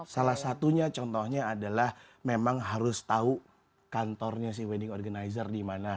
salah satunya contohnya adalah memang harus tahu kantornya si wedding organizer di mana